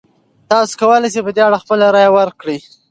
تاسو کولی شئ په دې اړه خپله رایه ورکړئ.